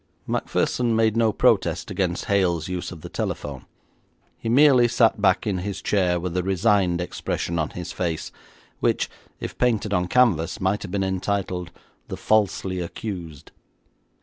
Macpherson made no protest against Hale's use of the telephone; he merely sat back in his chair with a resigned expression on his face which, if painted on canvas, might have been entitled 'The Falsely Accused.'